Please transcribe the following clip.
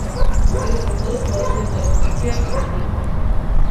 It is a close relative of "Acacia alpina".